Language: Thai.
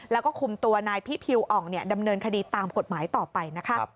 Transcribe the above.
แล้วก็คุมตัวนายพิพิวอ่องดำเนินคดีตามกฎหมายต่อไปนะคะ